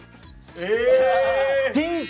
え！